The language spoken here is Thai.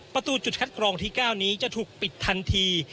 ประตูจุดคัดกรองที่๙นี้จะถูกปิดทันที